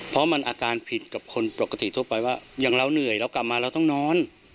เพราะมันอาการผิดกับคนปกติทั่วไปว่าอย่างเราเหนื่อยเรากลับมาเราต้องนอน